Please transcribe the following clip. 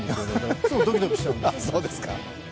いつもドキドキしちゃう。